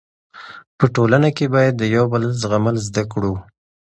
په ټولنه کې باید د یو بل زغمل زده کړو.